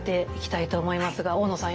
大野さん